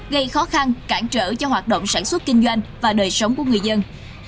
gây khó khăn cản trở cho hoạt động sản xuất kinh doanh và đời sống của người dân